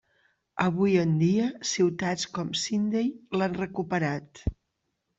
Avui en dia, ciutats com Sydney l'han recuperat.